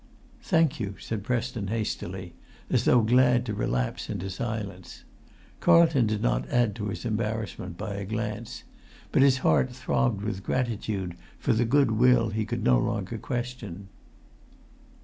"Thank you," said Preston hastily, as though glad to relapse into silence. Carlton did not add to his embarrassment by a glance, but his heart throbbed with gratitude for the goodwill he could no longer question.